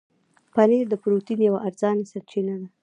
پنېر د پروټين یوه ارزانه سرچینه ده.